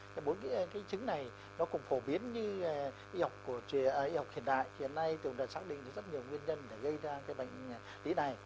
cái bốn cái chứng này nó cũng phổ biến như y học hiện đại hiện nay từng đã xác định rất nhiều nguyên nhân để gây ra cái bệnh lý đại